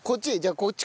こっち？